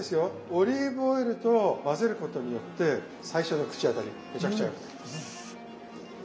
オリーブオイルと混ぜることによって最初の口当たりむちゃくちゃ良くなります。